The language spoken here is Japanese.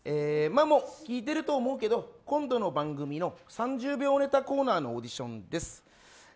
まあ、もう聞いてると思うけど今度、番組の３０秒ネタコーナーのオーディションです。